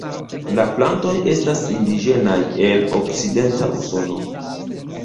La plantoj estas indiĝenaj el Okcidenta Usono.